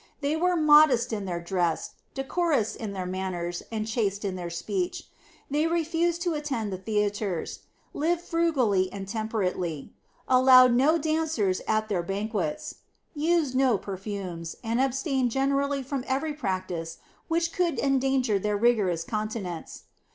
They were modest in their dress, decorous in their manners, chaste in their speech. They refused to attend the theatres; lived frugally and temperately; allowed no dancers at their banquets; used no perfumes, and abstained generally from every practice which could endanger their rigorous continence.